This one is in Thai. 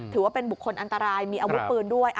ถือว่าเป็นบุคคลอันตรายมีอาวุธปืนด้วย